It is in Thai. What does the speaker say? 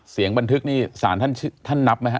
เสียงบันทึกนี่สารท่านนับไหมฮ